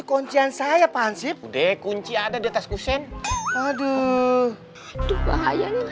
kuncian saya pansip deh kunci ada di atas kusen aduh